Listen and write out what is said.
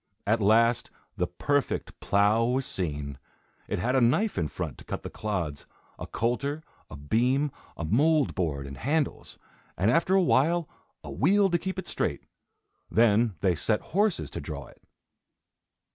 At last the perfect plough was seen. It had a knife in front to cut the clods, a coulter, a beam, a mould board and handles, and, after a while, a wheel to keep it straight. Then they set horses to draw it.